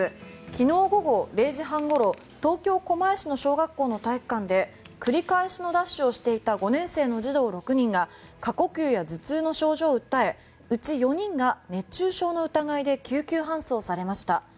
昨日午後０時半ごろ東京・狛江市の小学校の体育館で繰り返しのダッシュをしていた５年生の児童６人が過呼吸や頭痛の症状を訴えうち４人が熱中症の疑いで救急搬送されました。